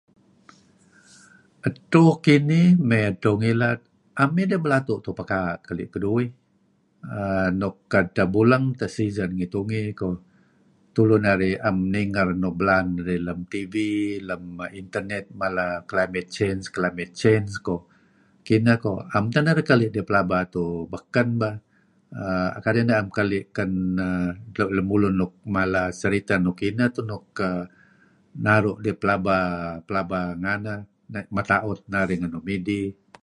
adto kinih may adto ngilad, a'am idih balatoh tuuh paka'ah kalih kaduih[um]nuk adtah bolang tah season ngi tungei koh.,tulu narih naam nigar nuk belaan dah lam TV lam internet, mala kelabit change kelabit change koh.,kinah koh, a'am tah narih kalih dih pelaba tuuh[um] bakan bah..[aah] kadih nah a'am kalih kan..[um]lemulun nuk mala ceritah nukinah tah nuk [aah]naruh dih pelaba pelaba nganah aah mata'uh narih ngan nuk midih.